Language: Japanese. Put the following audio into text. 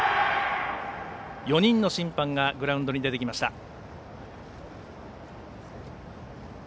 ４人の審判がグラウンドに出てきました。